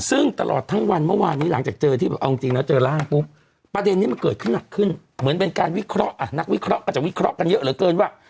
ซึ่งตลอดทั้งวันเมื่อวานนี้หลังจากเจอที่เอาจริงแล้วเจอร่างปุ๊บประเด็นนี้มันเกิดขึ้นหนักขึ้นเหมือนเป็นการวิเคราะห์นักวิเคราะห์ก็จะวิเคราะห์กันเยอะเหลือเกินว่า